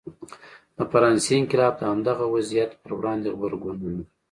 د فرانسې انقلاب د همدغه وضعیت پر وړاندې غبرګون و.